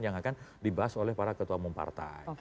yang akan dibahas oleh para ketua mempartai